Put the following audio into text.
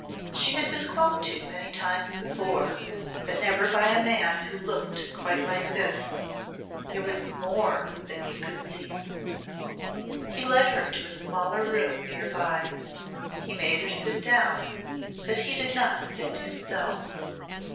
She had been clung to many times before, but never by a man who looked quite like this. There was more than you could see. He led her to a smaller room near by. He made her sit down, but he did not sit himself.